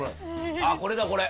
あっこれだこれ！